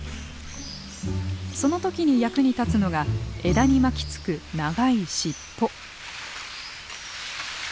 その時に役に立つのが枝に巻きつく長い尻尾。